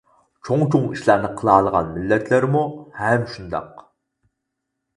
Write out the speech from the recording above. چوڭ-چوڭ ئىشلارنى قىلالىغان مىللەتلەرمۇ ھەم شۇنداق.